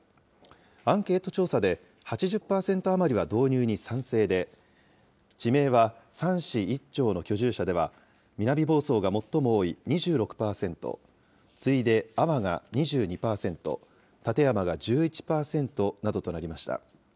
アンケート調査で、８０％余りは導入に賛成で、地名は３市１町の居住者では、南房総が最も多い２６％、次いで安房が２２％、館山が１１％などとなりました。